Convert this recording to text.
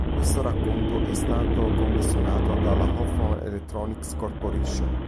Questo racconto è stato commissionato dalla "Hoffman Electronics Corporation".